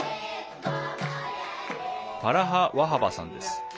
ファラハ・ワハバさんです。